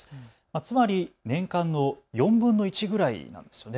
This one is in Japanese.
つまり年間の４分の１ぐらいなんですよね。